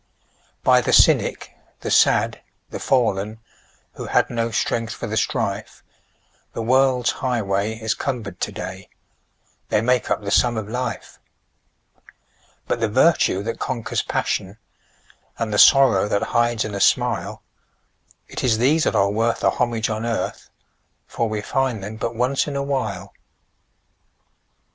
By the cynic, the sad, the fallen, Who had no strength for the strife, The world's highway is cumbered to day They make up the sum of life; But the virtue that conquers passion, And the sorrow that hides in a smile It is these that are worth the homage on earth, For we find them but once in a while.